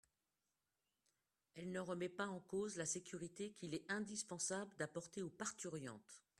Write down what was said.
Elle ne remet pas en cause la sécurité qu’il est indispensable d’apporter aux parturientes.